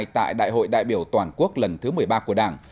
tại đại hội đại biểu toàn quốc lần thứ một mươi ba của đảng